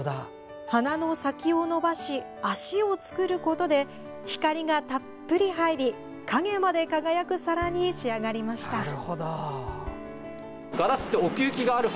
花の先を伸ばし脚を作ることで光がたっぷり入り影まで輝く皿に仕上がりました。